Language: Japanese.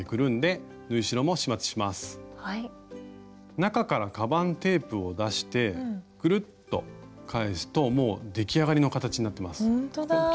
中からかばんテープを出してくるっと返すともう出来上がりの形になってます。